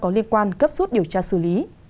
có liên quan cấp suốt điều tra xử lý